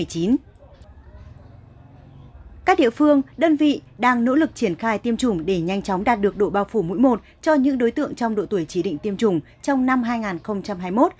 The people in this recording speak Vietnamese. các địa phương đơn vị đang nỗ lực triển khai tiêm chủng để nhanh chóng đạt được độ bao phủ mũi một cho những đối tượng trong độ tuổi chỉ định tiêm chủng trong năm hai nghìn hai mươi một